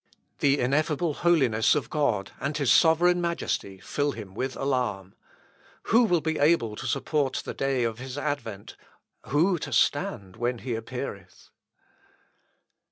The ineffable holiness of God, and his sovereign majesty, fill him with alarm. Who will be able to support the day of his advent who to stand when he appeareth?